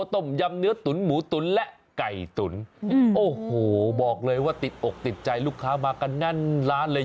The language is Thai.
ต้มยำเนื้อตุ๋นหมูตุ๋นและไก่ตุ๋นโอ้โหบอกเลยว่าติดอกติดใจลูกค้ามากันแน่นร้านเลย